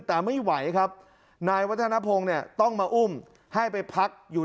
แต่ไม่ไหวครับนายวัฒนภงเนี่ยต้องมาอุ้มให้ไปพักอยู่